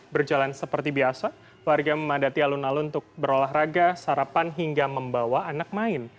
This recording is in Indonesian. berjalan seperti biasa warga memadati alun alun untuk berolahraga sarapan hingga membawa anak main